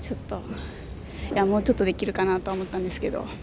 もうちょっとできるかなと思ったんですけど。